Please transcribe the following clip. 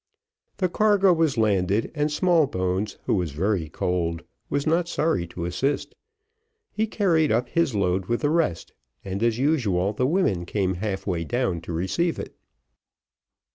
The cargo was landed, and Smallbones who was very cold was not sorry to assist. He carried up his load with the rest, and as usual the women came half way down to receive it.